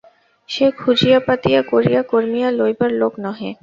সে খুঁজিয়া-পাতিয়া করিয়া-কর্মিয়া লইবার লোক নহে।